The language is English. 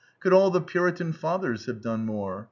Could all the Puritan fathers have done more?